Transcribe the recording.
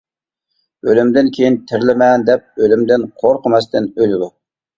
ئۆلۈمدىن كېيىن تىرىلىمەن دەپ ئۆلۈمدىن قورقماستىن ئۆلىدۇ.